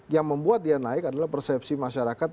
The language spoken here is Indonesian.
yang membuat dia naik adalah persepsi masyarakat